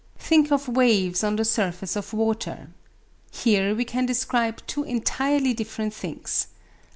Think of waves on the surface of water. Here we can describe two entirely different things.